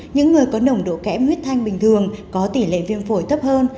những người có nồng độ kẽ huyết thanh bình thường có tỷ lệ viêm phổi thấp hơn